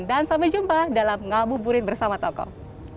dan sampai jumpa dalam ngamu burin bersama tokoh